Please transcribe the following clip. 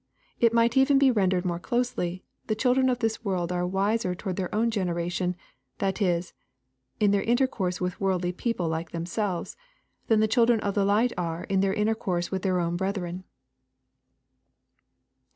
It might even be rendered more closely, " The children of this world are wiser toward their own generation, that is, in their intercourse with worldly people like themselves, — than the children of light are in their intercourse with their own brethren."